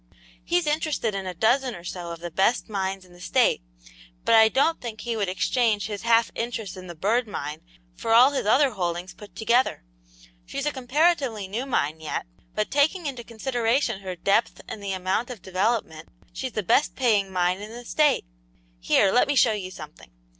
He's interested in a dozen or so of the best mines in the State, but I don't think he would exchange his half interest in the Bird Mine for all his other holdings put together. She's a comparatively new mine yet, but taking into consideration her depth and the amount of development, she's the best paying mine in the State. Here, let me show you something."